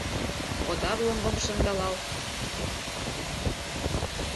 Одар ломбым шындалал.